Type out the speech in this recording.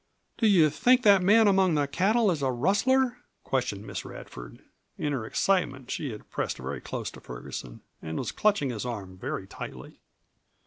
"Do you think that man among the cattle is a rustler?" questioned Miss Radford. In her excitement she had pressed very close to Ferguson and was clutching his arm very tightly.